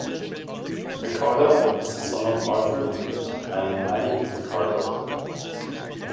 McCardell is the son of Arthur and Mattie McCardell.